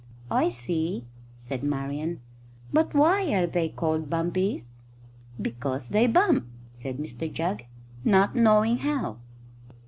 "I see," said Marian, "but why are they called bumpies?" "Because they bump," said Mr Jugg, "not knowing how."